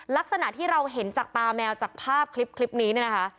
ลักษณะที่เราเห็นจากตาแมวจากภาพคลิปนี้เนี่ยนะคะ